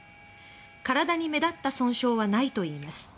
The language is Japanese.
体に目立った損傷はないといいます。